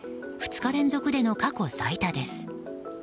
２日連続での過去最多です。